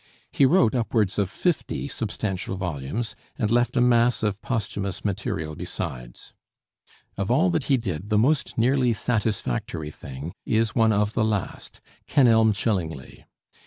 He wrote upwards of fifty substantial volumes, and left a mass of posthumous material besides. Of all that he did, the most nearly satisfactory thing is one of the last, 'Kenelm Chillingly.'